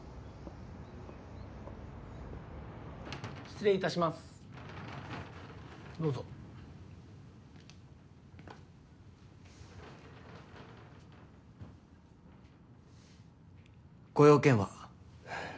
・失礼いたします・・どうぞ・ご用件は？